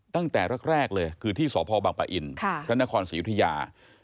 ตั้งแต่แรกเลยคือที่สภบังปะอินพศศิริยา